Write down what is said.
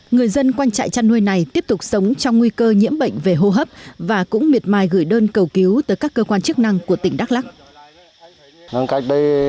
người dân quanh trại chăn nuôi này tiếp tục sống trong nguy cơ nhiễm bệnh về hô hấp và cũng miệt mài gửi đơn cầu cứu tới các cơ quan chức năng của tỉnh đắk lắc